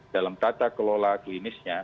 dalam tata kelola klinisnya